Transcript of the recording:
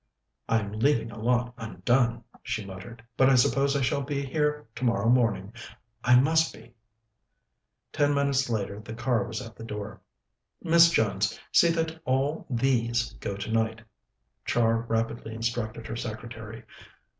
"I'm leaving a lot undone," she muttered, "but I suppose I shall be here tomorrow morning. I must be." Ten minutes later the car was at the door. "Miss Jones, see that all these go tonight," Char rapidly instructed her secretary.